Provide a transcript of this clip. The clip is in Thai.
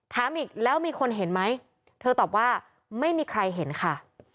ถามอีกแล้วมีคนเห็นไหมเธอตอบว่าไม่มีใครเห็นค่ะ